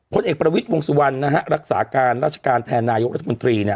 เอกประวิทย์วงสุวรรณรักษาการราชการแทนนายกรัฐมนตรี